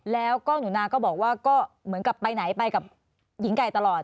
แล้วก็หนูนาก็บอกว่าก็เหมือนกับไปไหนไปกับหญิงไก่ตลอด